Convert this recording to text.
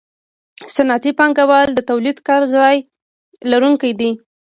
صنعتي پانګوال د تولیدي کارځای لرونکي دي